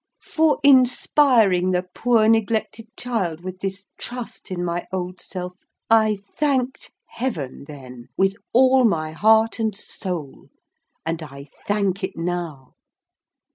For inspiring the poor neglected child with this trust in my old self, I thanked Heaven, then, with all my heart and soul, and I thank it now!